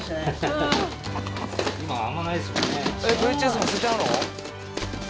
えっＶＨＳも捨てちゃうの？